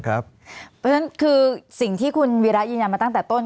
เพราะฉะนั้นคือสิ่งที่คุณวีระยืนยันมาตั้งแต่ต้น